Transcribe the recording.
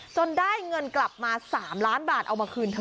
ได้เงินกลับมา๓ล้านบาทเอามาคืนเธอ